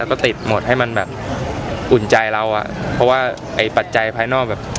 แล้วก็ติดหมดให้มันแบบอุ่นใจเราอ่ะเพราะว่าไอ้ปัจจัยภายนอกแบบ